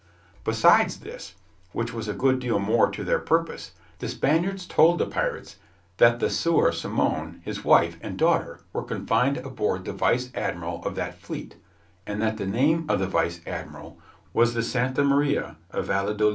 Besides this, which was a good deal more to their purpose, the Spaniards told the pirates that the Sieur Simon, his wife, and daughter were confined aboard the vice admiral of that fleet, and that the name of the vice admiral was the Santa Maria y Valladolid.